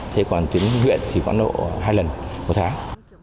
thế còn tuyến huyện thì khoảng độ hai lần một tháng